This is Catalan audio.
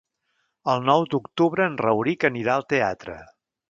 El nou d'octubre en Rauric anirà al teatre.